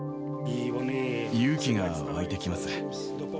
勇気が湧いてきます。